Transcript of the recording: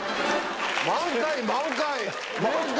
満開満開！